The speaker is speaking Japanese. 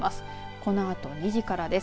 このあと２時からです。